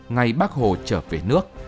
ngày bác hồ trở về nước